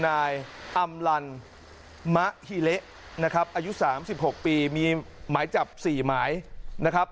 นายอำลันมะฮิเละนะครับอายุ๓๖ปีมีหมายจับ๔หมายนะครับ